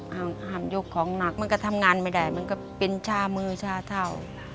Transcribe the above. ห้ามยกของหนักมันก็ทำงานไม่ได้มันก็เป็นชามือชาเท่า